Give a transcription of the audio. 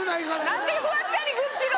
何でフワちゃんに愚痴る。